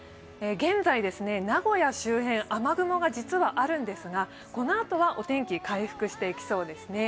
現在、名古屋周辺、雨雲が実はあるんですが、このあとはお天気、回復していきそうですね。